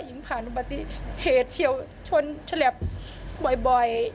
หญิงผ่านประตูเทศเชียวชนฉลบบ่อย